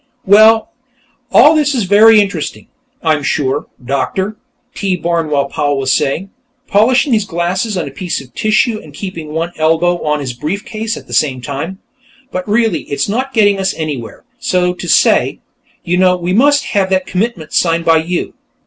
"Well, all this is very interesting, I'm sure, Doctor," T. Barnwell Powell was saying, polishing his glasses on a piece of tissue and keeping one elbow on his briefcase at the same time. "But really, it's not getting us anywhere, so to say. You know, we must have that commitment signed by you.